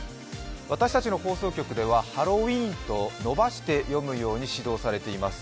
私たちの放送局ではハロウィーンと伸ばして読むように指導されています。